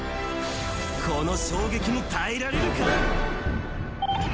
この衝撃に耐えられるか。